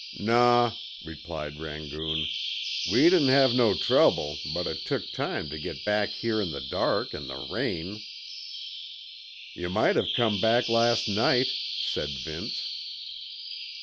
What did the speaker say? "Naw," replied Rangoon, "we didn't have no trouble, but it took time tuh git back here in the dark an' the rain." "You might've come back last night," said Vince.